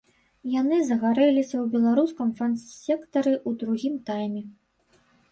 Яны загарэліся ў беларускім фан-сектары ў другім тайме.